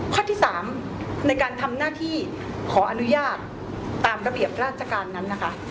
ข้อที่๓ในการทำหน้าที่ขออนุญาตตามระเบียบราชการนั้นนะคะ